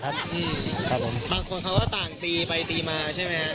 ครับผมบางคนเขาก็ต่างตีไปตีมาใช่ไหมครับ